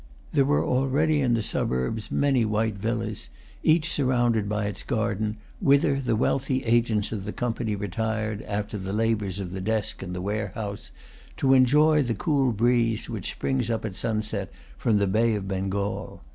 There were already in the suburbs many white villas, each surrounded by its garden, whither the wealthy agents of the Company retired, after the labours of the desk and the warehouse, to enjoy the cool breeze which springs up at sunset from the Bay of Bengal.